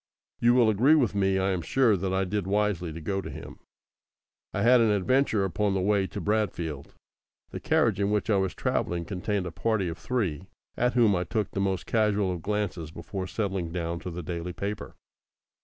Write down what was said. You will agree with me, I am sure, that I did wisely to go to him. I had an adventure upon the way to Bradfield. The carriage in which I was travelling contained a party of three, at whom I took the most casual of glances before settling down to the daily paper.